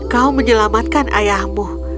kau menyelamatkan ayahmu